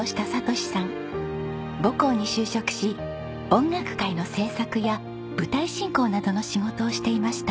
母校に就職し音楽会の制作や舞台進行などの仕事をしていました。